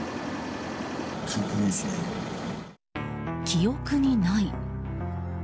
記憶にない。